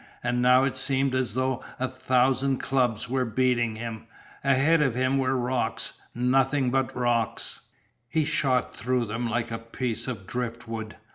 And now it seemed as though a thousand clubs were beating him. Ahead of him were rocks nothing but rocks. He shot through them like a piece of driftwood.